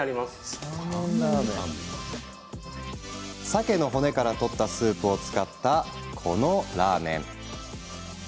さけの骨から取ったスープを使った、このラーメン。